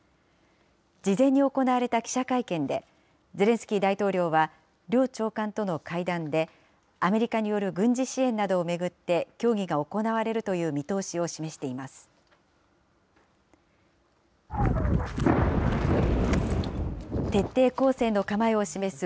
事前に行われた記者会見で、ゼレンスキー大統領は、両長官との会談で、アメリカによる軍事支援などを巡って協議が行われるという見通しを示しています。